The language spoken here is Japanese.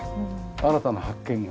新たな発見が。